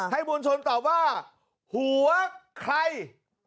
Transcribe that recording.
มวลชนตอบว่าหัวใคร